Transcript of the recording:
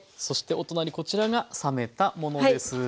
そしてお隣こちらが冷めたものです。